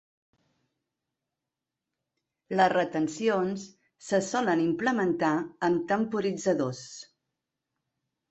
Les retencions se solen implementar amb temporitzadors.